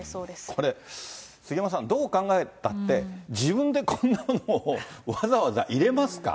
これ、杉山さん、どう考えたって、自分でこんなものを、わざわざ入れますか。